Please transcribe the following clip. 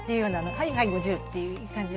「はいはい５０」っていう感じで。